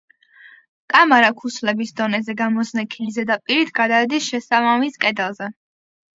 კამარა ქუსლების დონეზე გამოზნექილი ზედაპირით გადადის შესაბამის კედელზე.